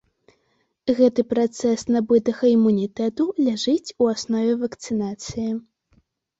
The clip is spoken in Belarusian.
Гэты працэс набытага імунітэту ляжыць у аснове вакцынацыі.